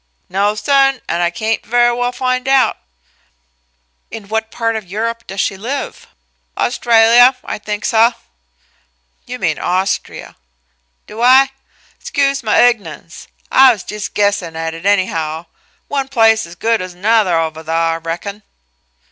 "No, sun, an' I cain't ver' well fin' out." "In what part of Europe does she live?" "Australia, I think, suh." "You mean Austria." "Do I? 'Scuse ma ig'nance. I was jis' guessin' at it anyhow; one place's as good as 'nother ovah thuh, I reckon."